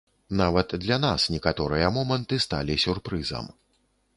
Нават для нас некаторыя моманты сталі сюрпрызам.